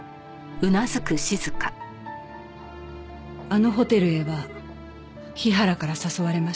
あのホテルへは日原から誘われました。